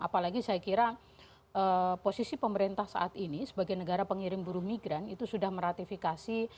apalagi saya kira posisi pemerintah saat ini sebagai negara pengirim buruh migran itu sudah meratifikasi